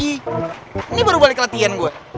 ini baru balik ke latihan gua